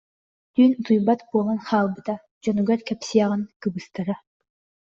Түүн утуйбат буолан хаалбыта, дьонугар кэпсиэҕин кыбыстара